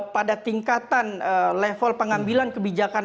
pada tingkatan level pengambilan kebijakan